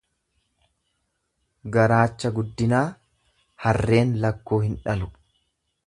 Garaacha guddinaa, harreen lakkuu hin dhalu.